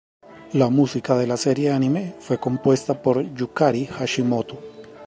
La música de la serie anime fue compuesta por Yukari Hashimoto.